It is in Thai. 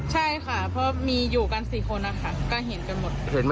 ใช่ค่ะเพราะมีอยู่กัน๔คนนะคะก็เห็นกันหมด